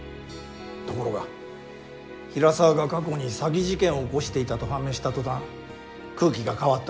ところが平沢が過去に詐欺事件を起こしていたと判明した途端空気が変わった。